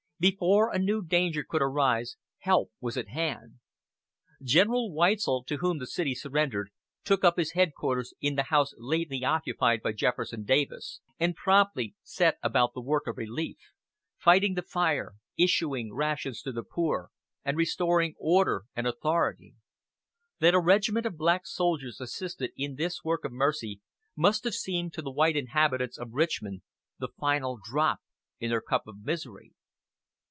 Before a new danger could arise help was at hand. Gen. Weitzel, to whom the city surrendered, took up his headquarters in the house lately occupied by Jefferson Davis, and promptly set about the work of relief; fighting the fire, issuing rations to the poor, and restoring order and authority. That a regiment of black soldiers assisted in this work of mercy must have seemed to the white inhabitants of Richmond the final drop in their cup of misery.